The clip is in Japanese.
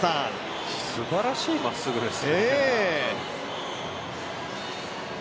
すばらしいまっすぐです。